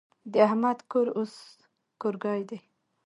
د احمد کور اوس کورګی دی.